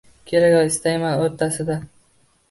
«Kerak va istayman o‘rtasida»